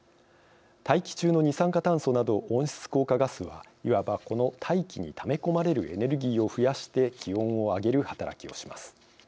大気中の二酸化炭素など温室効果ガスはいわばこの大気にため込まれるエネルギーを増やして気温を上げる働きをします。